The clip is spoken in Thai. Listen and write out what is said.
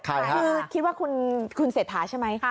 คือคิดว่าคุณเศรษฐาใช่ไหม